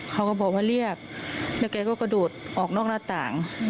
เขาก็บอกว่าเรียกแล้วแกก็กระโดดออกนอกหน้าต่าง